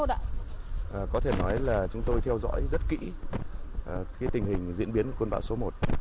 dạ có thể nói là chúng tôi theo dõi rất kỹ cái tình hình diễn biến cơn bão số một